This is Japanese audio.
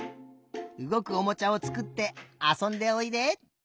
うごくおもちゃをつくってあそんでおいで。